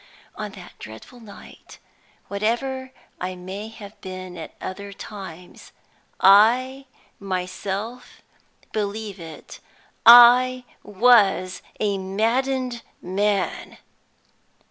On that dreadful night (whatever I may have been at other times), I myself believe it, I was a maddened man.